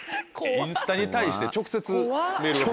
インスタに対して直接メールが。